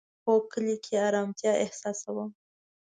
هو، کلی کی ارامتیا احساسوم